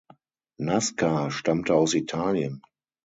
Nasca stammte aus Italien.